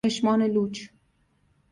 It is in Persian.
چشمان لوچ